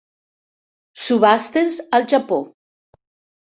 Subhastes al Japó.